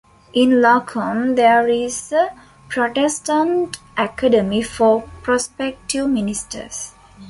In Loccum there is a Protestant academy for prospective ministers.